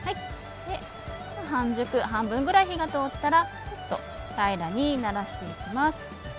半熟半分ぐらい火が通ったらちょっと平らにならしていきます。